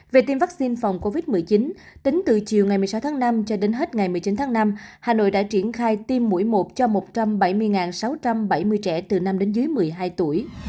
về tiêm vaccine phòng covid một mươi chín tính từ chiều ngày một mươi sáu tháng năm cho đến hết ngày một mươi chín tháng năm hà nội đã triển khai tiêm mũi một cho một trăm bảy mươi sáu trăm bảy mươi trẻ từ năm đến dưới một mươi hai tuổi